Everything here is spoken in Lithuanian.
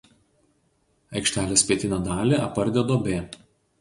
Aikštelės pietinę dalį apardė duobė.